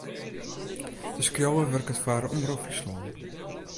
De skriuwer wurket foar Omrop Fryslân.